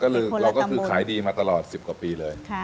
ก็คือเราก็คือขายดีมาตลอด๑๐กว่าปีเลย